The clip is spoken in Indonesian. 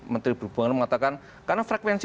menteri perhubungan mengatakan karena frekuensi